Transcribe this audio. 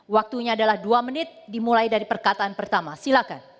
waktunya adalah dua menit dimulai dari perkataan pertama silakan